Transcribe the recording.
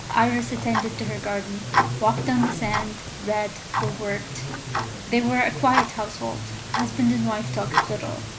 Iris attended to her garden, walked on the sands, read, or worked. They were a quiet household. Husband and wife talked little.